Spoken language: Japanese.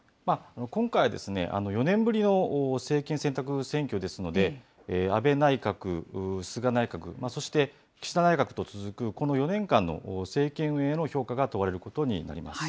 今回、４年ぶりの政権選択選挙ですので、安倍内閣、菅内閣、そして岸田内閣と続くこの４年間の政権運営への評価が問われることになります。